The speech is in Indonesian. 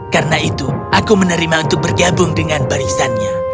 karena itu aku menerima untuk bergabung dengan barisannya